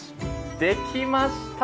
できました。